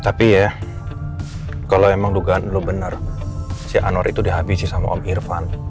tapi ya kalau emang dugaan lu benar si anwar itu dihabisi sama om irfan